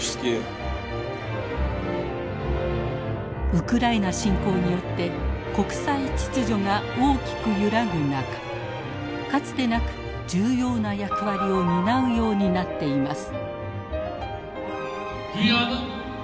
ウクライナ侵攻によって国際秩序が大きく揺らぐ中かつてなく重要な役割を担うようになっています。